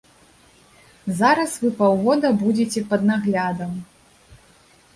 Зараз вы паўгода будзеце пад наглядам.